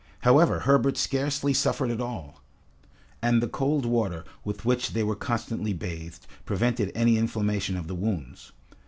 However, Herbert scarcely suffered at all, and the cold water with which they were constantly bathed, prevented any inflammation of the wounds.